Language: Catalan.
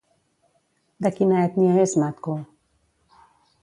De quina ètnia és Matko?